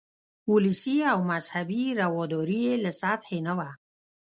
ولسي او مذهبي رواداري یې له سطحې نه وه.